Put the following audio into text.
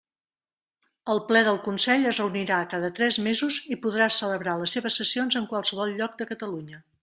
El Ple del Consell es reunirà cada tres mesos i podrà celebrar les seves sessions en qualsevol lloc de Catalunya.